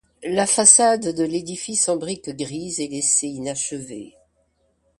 La façade de l'édifice en briques grises est laissée inachevée.